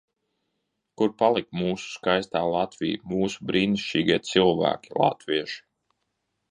Kur palika mūsu skaistā Latvija, mūsu brīnišķīgie cilvēki latvieši?